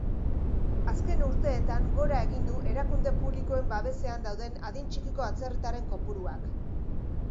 Azken urteetan gora egin du erakunde publikoen babesean dauden adin txikiko atzerritarren kopuruak.